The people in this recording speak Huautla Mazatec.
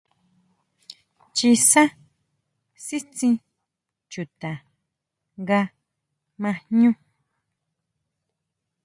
ʼChiʼisá sítsín chuta nga ma jñú.